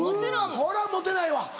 うわこれはモテないわ！